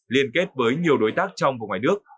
liên kết với nhiều đối tác trong và ngoài nước